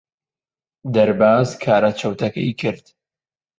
دەرباز کارە چەوتەکەی کرد.